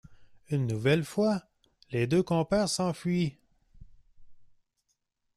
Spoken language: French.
Une nouvelle fois, les deux compères s'enfuient.